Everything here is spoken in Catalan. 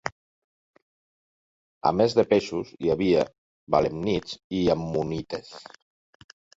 A més de peixos hi havia belemnits i ammonites.